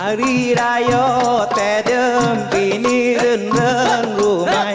ฮรีรายโยแท่เดิมบินแบบสาอิงหาดูหมอเกล็ดดูหมอ